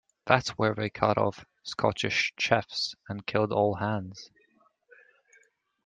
That's where they cut off the Scottish Chiefs and killed all hands.